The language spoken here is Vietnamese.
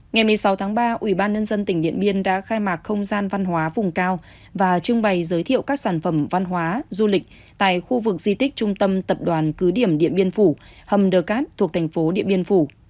ngày một mươi sáu tháng ba ubnd tỉnh điện biên đã khai mạc không gian văn hóa vùng cao và trưng bày giới thiệu các sản phẩm văn hóa du lịch tại khu vực di tích trung tâm tập đoàn cứ điểm điện biên phủ hầm đờ cát thuộc thành phố điện biên phủ